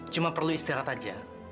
cuma perlu istirahat saja